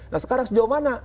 nah sekarang sejauh mana